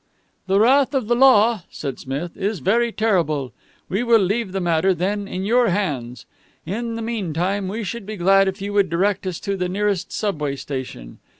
"The wrath of the Law," said Smith, "is very terrible. We will leave the matter, then, in your hands. In the meantime, we should be glad if you would direct us to the nearest subway station.